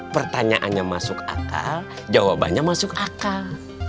pertanyaannya masuk akal jawabannya masuk akal